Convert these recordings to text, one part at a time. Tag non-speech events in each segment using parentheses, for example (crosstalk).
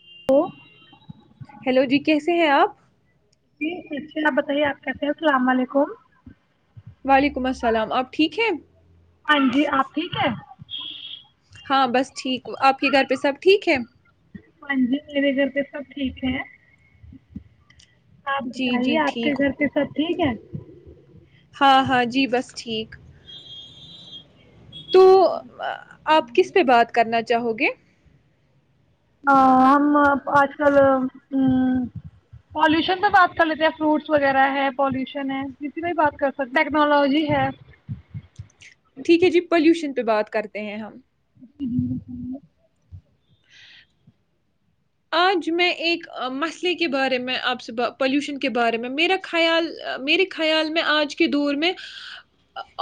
(inaudible) Hello جی کیسے ہیں آپ جی اچھا آپ بتائیے آپ کیسے ہیں السلام علیکم وعلیکم السلام آپ ٹھیک ہیں ہاں جی آپ ٹھیک ہیں ہاں بس ٹھیک آپ کے گھر پہ سب ٹھیک ہے ہاں جی میرے گھر تو سب ٹھیک ہیں آپ جی بتائیے جی آپ کے ٹھیک گھر کے سب ٹھیک ہیں ہاں ہاں جی بس ٹھیک تو ہاں آپ جی۔ کس پہ بات کرنا چاہو گے (unintelligible) آج کل پولیوشن پہ بات کر لیتے ہیں فروٹس وغیرہ ہے پولیوشن ہے جسی میں بھی بات کر سکتے ٹیکنالوجی ہے ٹھیک ہے جی پولیوشن پہ بات کرتے ہیں ہم ہم (inaudible) آج میں ایک مسلے کے بارے میں آپ سے پولیوشن کے بارے میں میرا خیال میرے خیال میں آج کے دور میں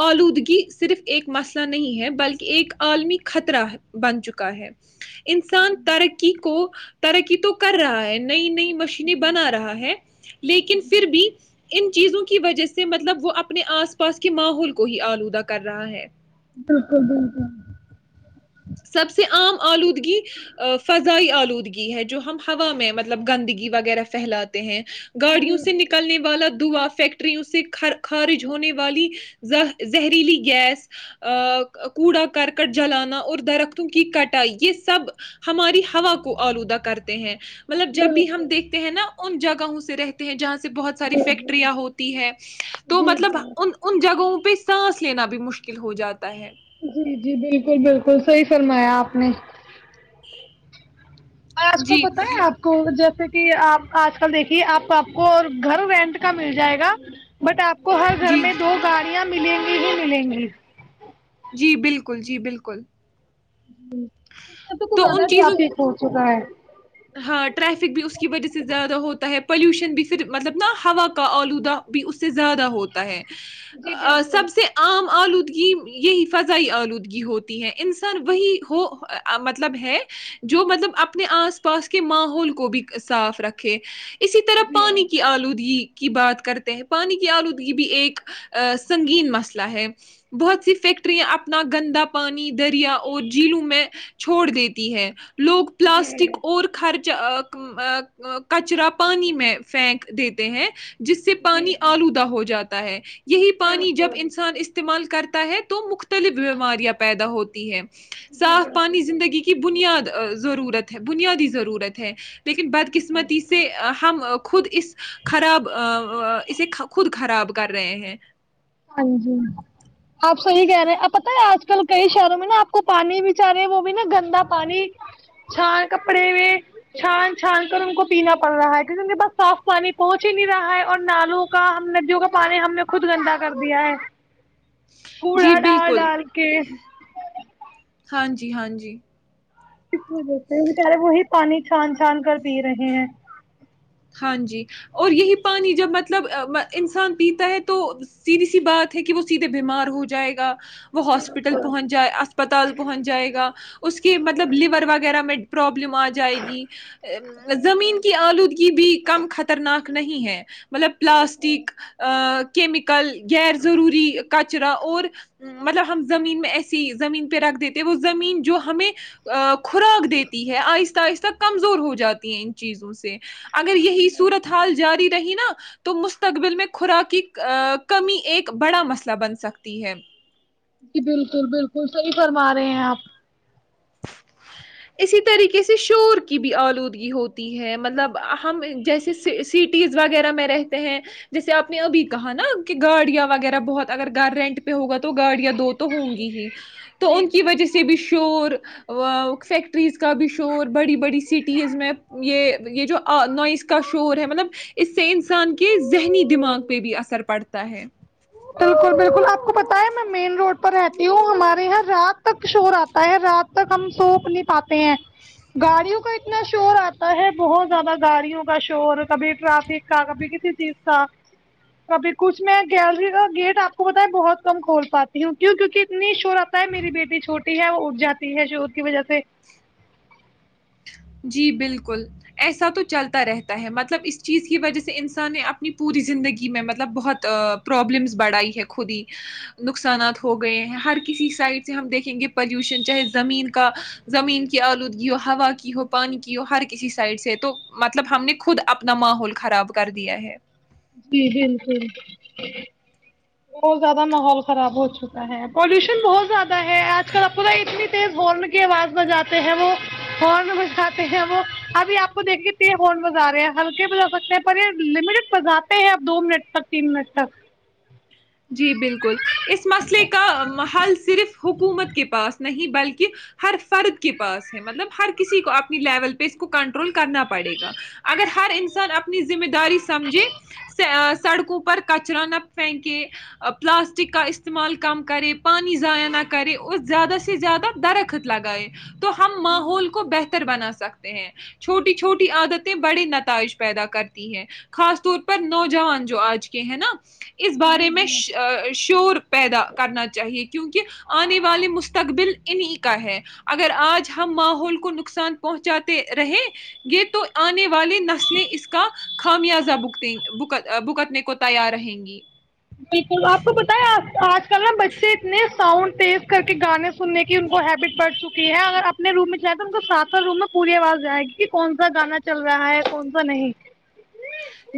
آلودگی صرف ایک مسئلہ نہیں ہے بلکہ ایک عالمی خطرہ بن چکا ہے انسان ترقی کو ترقی تو کر رہا ہے نیی نیی مشینیں بنا رہا ہے لیکن پھر بھی ان چیزوں کو کی وجہ سے مطلب وہ اپنے آس پاس کے ماحول کو ہی آلودہ کر رہا ہے بلکل بلکل سب سے عام آلودگی فضائی آلودگی ہے جو ہم ہوا میں مطلب گندگی وغیرہ پھیلاتے ہیں گاڑیوں سے نکلنے والا دھواں فیکٹریوں سے خارج ہونے والی زہریلی گیس کوڑا کرکٹ جلانا اور درختوں کی کٹائی یہ سب ہماری ہوا کو آلودہ کرتے ہیں مطلب جب بھی ہم دیکھتے ہیں نہ ان جگہوں سے رہتے ہیں جہاں سے بہت ساری فیکٹریاں ہوتی ہے تو مطلب ان ان جگہوں کو پہ سانس لینا بھی مشکل ہو جاتا ہے جی جی بلکل بلکل صحی فرمایا آپ نے آج کو جی پتا ہے آپ کو جب جیسے کہ آپ آج کل دیکھیے آپ آپ کو اور گھر رینٹ کا مل جائے گا بٹ آپ کو ہر گھر جی میں دو گاڑیاں ملیں گی ہی ملیں گی جی بلکل جی بلکل اس لیں تو کچھ زیادہ چیزوں ٹریفک ہو چکا ہے ہاں ٹریفک بھی اس کی وجہ سے زیادہ ہوتا ہے پولوشن بھی پھر مطلب نا ہوا کا آلودہ بھی اس سے زیادہ ہوتا ہے سب سے عام آلودگی یہی فضائی آلودگی ہوتی ہے انسان وہی ہو مطلب ہے جو مطلب اپنے آس پ پاس کے ماحول کو بھی صاف رکھے اسی طرح پانی کی آلود کی بات کرتے ہیں پانی کی آلودگی بھی ایک سنگین مسئلہ ہے بہت سی فیکٹریاں اپنا گندا پانی دریا اور جھیلوں میں چھوڑ دیتی ہے لوگ پلاسٹک خرچ کچرا پانی میں پھینک دیتے ہیں جس سے پانی آلودہ ہو جاتا تا ہے یہی پانی جب انسان استعمال کرتا ہے تو مختلف بیماریاں پیدا ہوتی ہیں صاف پانی زندگی کی بنیاد ضرورت ہے بنیادی ضرورت ہے لیکن بد قسمتی سے ہم خود اس خراب اسے خود خراب کر رہے ہیں ہاں جی آپ سحی کہہ رہے ہیں آپ پتتا ہے آج آج کل کئی شہروں میں نا آپ کو پانی بچار رہے وہ بھی نا گندا پانی چھان کپڑے میں چھان چھان کر ان کو پینا پڑ رہا ہے کیونکہ ان کے پاس صاف پانی پچ ہی نہیں رہا ہے اور نالوں کا ہم ندیوں کا پانی ہم نے خود گندا کر دیا ہے جی کوڑا ڈال بالکل ڈال کے ہاں جی ہاں جی تے بچارے وہی پانی چھان چھان کر پی رہے ہیں ہاں جی اور یہی پانی جب مطلب انسان پیتا ہے تو سیدھی سی بات ہے کہ وہ سیدھے بیمار ہو جائے گا وہ ہاسپٹل پہنچ جائے اسپتال پہنچ جائے گا اس کے مطلب لیور وغیرہ میں پرابلم آ جائے گی زمین کی آلودگی بھی کم خطرناک نہیں ہے مطلب پلاسٹک کیمک کل غیر ضروری کچرا اور مطلب ہم زمین میں ایسی زمین پہ رکھ دیتے وہ زمین جو ہمیں خوراک دیتی ہے آہستہ آہستہ کمزور ہو جاتی ہے ان چیزوں سے اگر یہی صورتحال جاری رہی نا تو مستقبل میں خوراک کی کمی ایک بڑا مسئلہ بن سکتی ہے جی بالکل بالکل صحیح فرما رہے ہیں آپ اسی طریقے سے شور کی بھی آلودگی ہوتی ہے مطلب ہم جیسے سٹیز وغیرہ میں رہتے ہیں جیسے آپ نے ابھی کہا نا کہ گاڑیاں وغیرہ بہت اگر گھر رینٹ پہ ہوگا تو تو گاڑیاں دو تو ہوں گی ہی تو ان کی وجہ سے بھی شور وہ سیکٹریز کا بھی شور بڑی بڑی سیٹیز میں یہ یہ جو نائس کا شور ہے مطلب اس سے انسان کے ذہنی دماغ میں بھی اثر بک بالکل آپ کو بتائے میں مین روڈ پر رہتی ہوں ہمارے یہاں رات تک شور آتا ہے رات تک ہم سوپ نہیں پاتے ہیں گاڑیوں کا اتنا شور آتا ہے بہت زیادہ گاڑیوں کا شور کبھی ٹرافک کا کبھی کسی چیز کا کبھی کچھ میں گیلری کا گیٹ آ کو بتایں بہت کم کھول پاتی ہوں کیوں کیکہ اتنی شو رہتا ہے میری بیٹی چھوٹی ہے وہ اٹ جاتی ہے شور کی وجہ سے جی بالکل ایسا تو چلتا رہتا ہے مطلب اس چیز کی وجہ سے انسان نے اپنی پوری زندگی میں مطلب بہت پرابلمس بڑھائی ہے خود ہی نقصانات ہو گئے ہیں ہر کسی سائڈ سے ہم دیکھیں گے پلیوشن چاہے زمین کا زمین کی آلودگی ہو ہوا کی ہو کی ہر کسی سائڈ سے تو مطلب ہم نے خود اپنا ماحول خراب کر دیا ہے جی بالکل بہت زیادہ ماحول خراب ہو چکا ہے پالوشن بہت زیادہ ہے آج کل اتنی تیز ہارن کی آواز بجاتے ہیں وہ ہارن بجاتے ہیں وہ ابھی آپ کو دیکے تیز ہارن بجا رہے ہیں ہلکے بگا سکتے ہیں پر یہ لٹ بات ہیں آپ دو منٹ تک تین منٹ تک جی بالکل اس مسئلے کا حل صرف حکومت کے پاس نہیں بلکہ ہر فرد کے پاس ہے مطلب ہر کسی کو اپنی لیول پہ اس کو کنٹرول کرنا پڑے گا اگر ہر انسان اپنی مے داری سمجھے سڑکوں کو پر کچرا نہ پھینکے پلاسٹک کا استعمال کم کرے پانی ضائع نہ کرے اور زیادہ سے زیادہ درخت لگائے تو ہم ماحول کو بہتر بنا سکتے ہیں چھوٹی چھوٹی عادتیں بڑے نتائج پیدا کرتی ہیں خاص طور پر نوجوان جو آج کے ہیں نا اس بارے میں شور پیدا کرنا چاہیے کیونکہ آنے والے مستقبل انیں کا ہے اگر آج ہم ماحول کو نقصان پہنچاتے رہے یہ تو آنے والی نسلیں اس کا خامیازہ بک بک بکتنے کو تیار رہیں گی بالکل آپ کو بتیں آج کل نا بچے اتنے ساؤنڈ تیز کر کے گانے سننے کی ان کو ہیبٹ بڑھ چکی ہے اگر اپنے روم میں جائے تو ان کو ساتھو روم میں پوری آواز جائے گی کہ کون سا گانا چل رہا ہے کون سا نہیں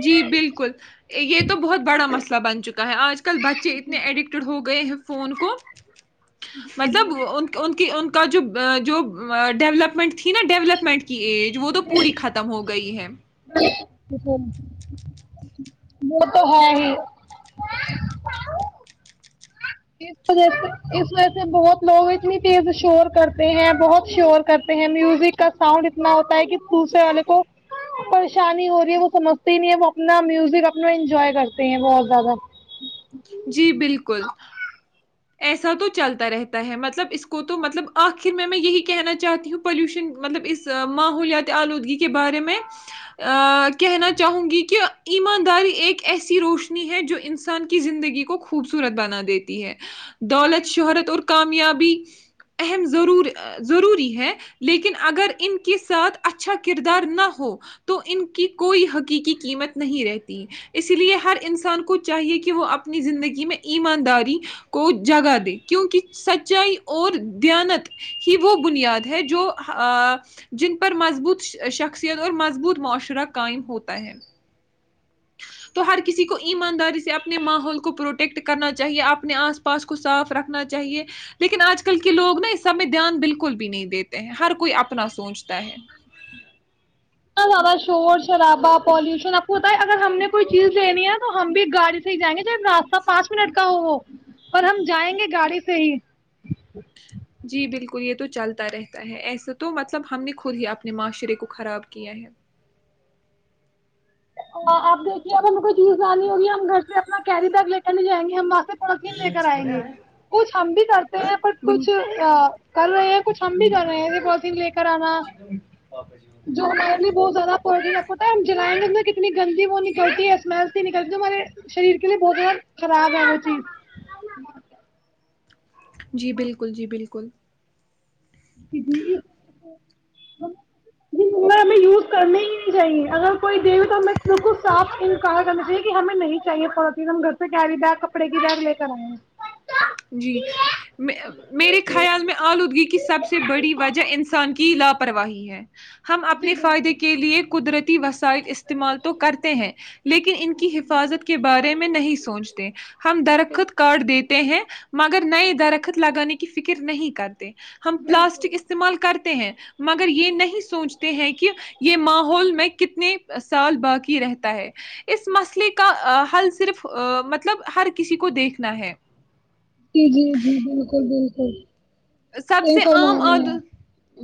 جی بالکل یہ تو بہت بڑا مسئلہ بن چکا ہے آج کل بچے اتنے اڈکٹڈ ہو گئے ہیں فون کو مطلب ان ان کی ان کا جو جو ڈیولپمنٹ تھی نا ڈیولپمنٹ کی ایج وہ تو پوری ختم ہو گئی ہے وہ تو ہے ہی اس وجہ سے اس وجہ سے بہت لوگ اتنی چیز شور کرتے ہیں بہت شور کرتے ہیں میوزک کا ساؤنڈ اتنا ہوتا ہے کہ دوسرے والے کو پریشانی ہو رہی ہے وہ سمجھتے ہی نہیں ہے وہ اپنا میوزک اپنا انجوائے کرتے ہیں بہت زیادہ جی بالکل ایسا تو چلتا رہتا ہے مطلب اس کو تو مطلب آخر میں یہی کہنا چاہتی ہوں پالوشن مطلب اس ماحولیاتی آلودگی کے بارے میں کہنا چاہوں گی کہ ایمانداری ایک ایسی روشنی ہے جو انسان کی زندگی کو خوبصورت بنا دیتی ہے دولت شہرت اور کامیابی اہم ضرور ضروری ہے لیکن اگر ان کے ساتھ اچھا کردار نہ ہو تو ان کی کوئی حقیقی قیمت نہیں رہتی اس لیے ہر انسان کو چاہیے کہ وہ اپنی زندگی میں ایمانداری کو جگا دے کیونکہ سچائی اور دیانت ہی وہ بنیاد ہے جو جن پر مضبوط شخصیت اور مضبوط معاشرہ قائم ہوتا ہے تو ہر کسی کو ایمانداری سے اپنے ماحول کو پروٹیکٹ کرنا چاہیے اپنے آس پاس کو صاف رکھنا چاہیے لیکن آج کل کے لوگ نا اس سب میں دھیان بالکل بھی نہیں دیتے ہیں ہر کوئی اپنا سوچتا ہے الاباز شور شرابہ پالوشن آپ کو بت اگر ہم نے کوئی چیز لینی ہے تو ہم بھی گاڑی سے ہی جائیں گے ج راستہ پانچ منٹ کا ہو وہ اور ہم جائیں گے گاڑی سے ہی جی بالکل یہ تو چلتا رہتا ہے ایسے تو مطلب ہم نے خود ہی اپنے معاشرے کو خراب کیا ہے آپ دیکھیے اب ہمیں کوئی چیز جانی ہوگی ہم گھر سے اپنا کیری بگ لے کر نہیں جائیں گے ہم لے کر آئیں گے کچھ ہم بھی کرتے ہیں ب کچھ بنی- کر رہے ہیں کچھ ہم بھی کر رہے ہیں پال لے کر آنا جو ہم بہت زیادہ پتا جلائیں گے اتنی گندی وہ نکلتی ہے اسمیل ت نکلتی تارے شریر کے لیے بہت ز خراب ہے وہ جی بالکل جی بالکل جی جی ہمیں یوز کرنی ہی چاہیے اگر کوئی دھ تو ہم بک کو صاف کرنا چاہے کہ ہمیں نہیں چاہیے تھوڑا چیز ہم گھر سے کیری بیگ کپڑے کی بیگ لے کر آئے ہیں جی میں میرے خیال میں آلو گی کی سب سے بڑی وجہ انسان کے کی لاپرواہی ہے ہم اپنے فائدے کے لیے قدرتی ت بس (unintelligible) سائٹ استعمال تو کرتے ہیں لیکن ان کی حفاظت کے بارے میں میں نہیں سوچتے ہم درخت کارڈ دیتے ہیں مگر نئے درخت لگانے کی فکر نہیں کرتے ہم پلاسٹک استعمال کرتے ہیں مگر یہ نہیں سوچتے ہیں کہ یہ ماحول میں کتنے سال باقی رہتا ہے اس مسئلے کا حل صرف مطلب ہر کسی کو دیکھنا ہے جی جی جی بالکل بالکل سب سے عام عد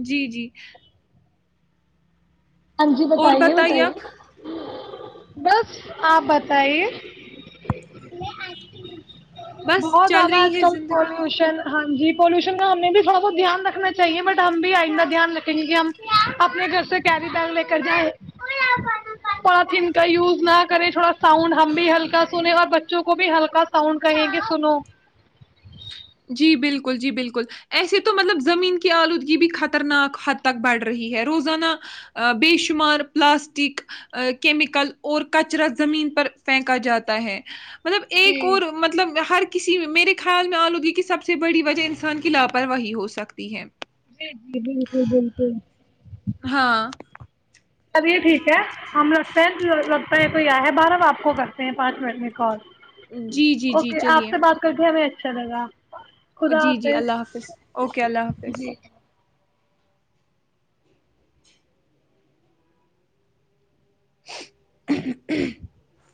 جی جی ہاں جی اور بتائیے آپ بتائیے بس آپ بتائیے بس بہت چل زیادہ رہی آج ہے کل زندگی پولوشن ہاں جی پولوشن کا ہمیں بھی تھوڑا بہت دھیان رکھنا چاہیے بٹ ہم بھی آئندہ دھیان رکھیں گے کہ ہم اپنے گھر سے ڈ لے کر جائے پ کا یوز نہ کرے تھوڑا ساؤنڈ ہم بھی ہلکا سنے اور بچوں کو بھی ہلکا ساؤنڈ کہیں گے سنو جی بالکل جی بالکل ایسے تو مطلب زمین کی آلودگی بھی خطرناک حد تک بڑھ رہی ہے روزانہ بے شمار پلاسٹک کیمیکل اور کچرا زمین پر پنکا جاتا ہے مطلب جی ایک اور مطلب ہر کسی میرے خیال میں آلو د سب سے بڑی وجہ انسان کی لاپرواہی ہو سکتی ہے جی جی بالکل بالکل ہاں چب یہے ٹھیک ہے ہم رکھ سینٹ لگتا ہے کوئی آیا ہے بارہ ب آ کو کرتے ہیں پانچ منٹ میں کال جی جی جی اوکے آپ چلیے سے بات کر کے ہمیں چل گا جی جی اللہ حافظ اوکے اللہ حافظ (inaudible)